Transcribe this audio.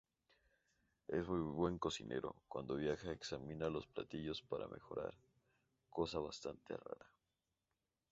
Es muy buen cocinero, cuando viaja examina los platillos para mejorar, cosa bastante rara.